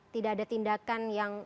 tidak ada tindakan yang